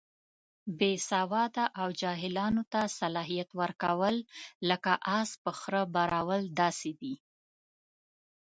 بې سواده او جاهلانو ته صلاحیت ورکول، لکه اس په خره بارول داسې دي.